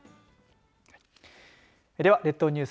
では、列島ニュース。